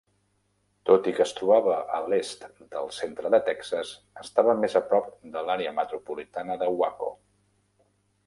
Tot i que es trobava a l'est del centre de Texas, estava més a prop de l'àrea metropolitana de Waco.